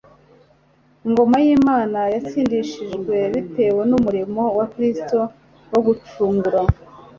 Ingoma y'Imana yatsindishirijwe bitewe n'umurimo wa Kristo wo gucungura.